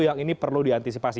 yang ini perlu diantisipasi